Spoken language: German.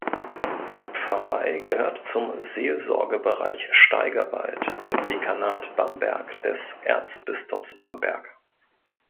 Die Pfarrei gehört zum Seelsorgebereich Steigerwald im Dekanat Bamberg des Erzbistums Bamberg.